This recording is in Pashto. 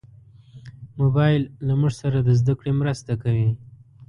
موبایل له موږ سره د زدهکړې مرسته کوي.